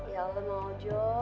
ya allah mojo